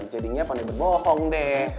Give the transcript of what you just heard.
jadinya pandai berbohong deh